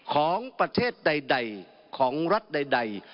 ของประเทศใดของรัฐใด